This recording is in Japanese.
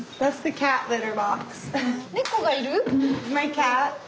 猫がいる？